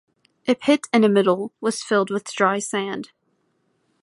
A pit in the middle was filled with dry sand.